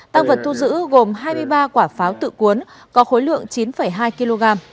tăng vật thu giữ gồm hai mươi ba quả pháo tự cuốn có khối lượng chín hai kg